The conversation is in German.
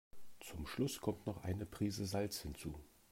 Zum Schluss kommt noch eine Prise Salz hinzu.